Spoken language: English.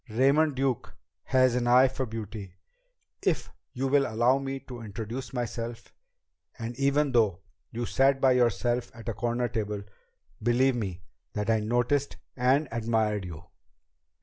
Raymond Duke has an eye for beauty if you will allow me to introduce myself and even though you sat by yourself at a corner table, believe me that I noticed and admired you."